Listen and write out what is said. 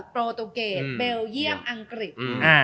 โปรตูเกตเบลเยี่ยมอังกฤษ